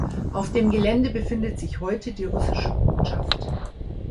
Auf dem Gelände befindet sich heute die russische Botschaft.